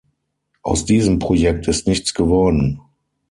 Aus diesem Projekt ist nichts geworden.